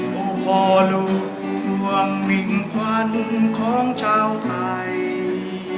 พ่อพ่อล่วงมิ่งควันของชาวไทย